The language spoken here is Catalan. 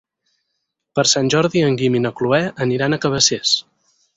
Per Sant Jordi en Guim i na Cloè aniran a Cabacés.